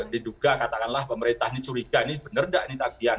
diduga katakanlah pemerintah ini curiga ini benar enggak ini tagihan